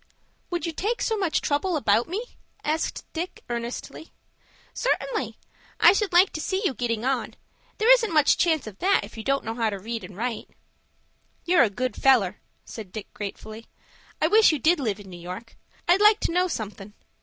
"Would you take so much trouble about me?" asked Dick, earnestly. "Certainly; I should like to see you getting on. There isn't much chance of that if you don't know how to read and write." "You're a good feller," said Dick, gratefully. "I wish you did live in New York. I'd like to know somethin'.